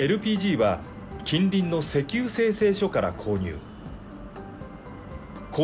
ＬＰＧは近隣の石油精製所から購入。